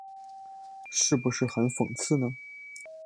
是不是很讽刺呢？